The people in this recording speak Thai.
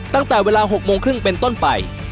ตั้งแต่เวลา๖โมงครึ่งเป็นต้นไป